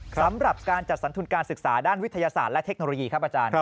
สำหรับการจัดสรรทุนการศึกษาด้านวิทยาศาสตร์และเทคโนโลยีครับอาจารย์